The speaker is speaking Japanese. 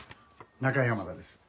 中山田です。